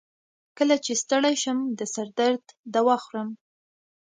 کله چې ستړی شم، د سر درد دوا خورم.